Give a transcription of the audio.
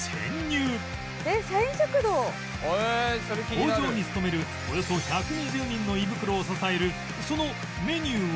工場に勤めるおよそ１２０人の胃袋を支えるそのメニューは？